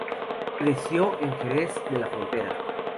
Creció en Jerez de la Frontera.